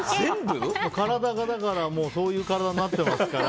体がそういう体になっていますから。